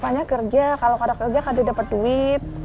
bapaknya kerja kalau tidak kerja tidak dapat duit